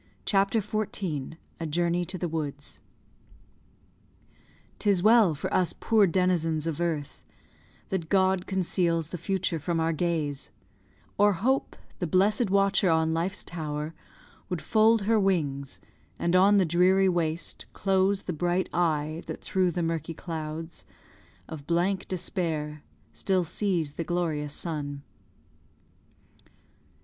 CHAPTER XIV A JOURNEY TO THE WOODS 'Tis well for us poor denizens of earth That God conceals the future from our gaze; Or Hope, the blessed watcher on Life's tower, Would fold her wings, and on the dreary waste Close the bright eye that through the murky clouds Of blank Despair still sees the glorious sun.